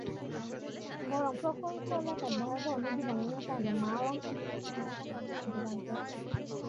বরং প্রকল্প এলাকায় ভয়াবহ নদীভাঙনের কারণে মাওয়া অংশে নদীশাসন এলাকার পরিধি বাড়াতে হচ্ছে।